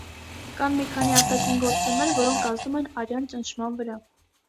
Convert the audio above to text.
Կան մի քանի արտաքին գործոններ, որոնք ազդում են արյան ճնշման վրա։